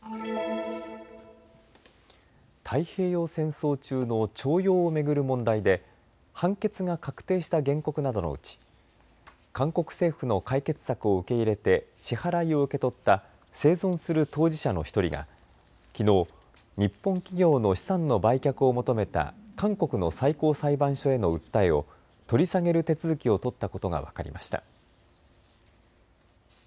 太平洋戦争中の徴用を巡る問題で判決が確定した原告などのうち、韓国政府の解決策を受け入れて支払いを受け取った生存する当事者の１人がきのう、日本企業の資産の売却を求めた韓国の最高裁判所への訴えを取り下げる手続きを取ったことが分かりました。